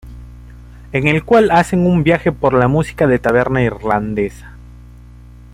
En el cual hacen un viaje por la música de taberna irlandesa.